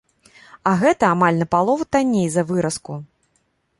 А гэта амаль напалову танней за выразку.